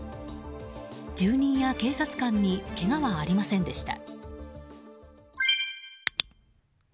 住人や警察官にけがはありませんでした。